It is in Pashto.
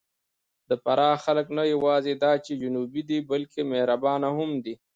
د فراه خلک نه یواځې دا چې جنوبي دي، بلکې مهربانه هم دي.